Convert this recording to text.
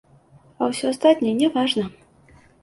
А ўсё астатняе не важна.